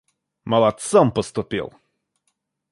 Молодцом поступил!